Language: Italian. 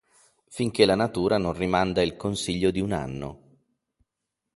Finché la Natura non rimanda il consiglio di un anno.